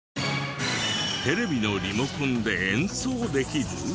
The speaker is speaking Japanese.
テレビのリモコンで演奏できる！？